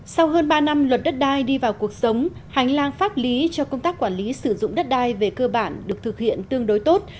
sau hơn ba năm luật đất đai đi vào cuộc sống hành lang pháp lý cho công tác quản lý sử dụng đất đai về cơ bản được thực hiện tương đối tốt